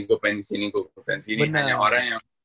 gue pengen kesini gue pengen kesini hanya orang yang